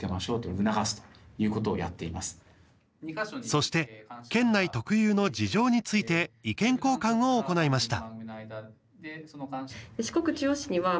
そして、県内特有の事情について意見交換を行いました。